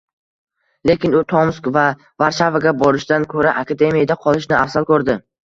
Lekin u Tomsk yoki Varshavaga borishdan ko‘ra, akademiyada qolishni afzal ko‘rdi